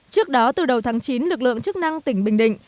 trước đó từ đầu tháng chín lực lượng chức năng tỉnh bình định